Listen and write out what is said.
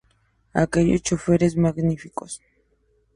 Aquellos choferes magníficos.